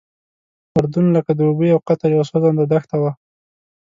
اردن لکه دوبۍ او قطر یوه سوځنده دښته وه.